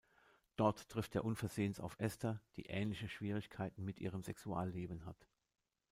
Dort trifft er unversehens auf Esther, die ähnliche Schwierigkeiten mit ihrem Sexualleben hat.